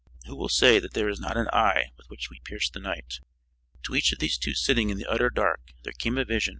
Who will say that there is not an eye with which we pierce the night? To each of these two sitting in the utter dark there came a vision.